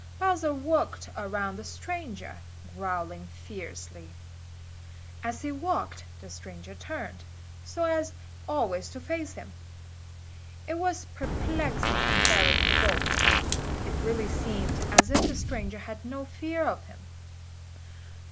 Bowser walked around the stranger, growling fiercely. As he walked the stranger turned, so as always to face him. It was perplexing and very provoking. It really seemed as if the stranger had no fear of him.